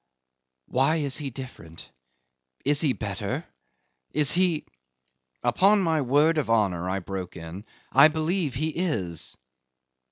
"Why is he different? Is he better? Is he ..." "Upon my word of honour," I broke in, "I believe he is."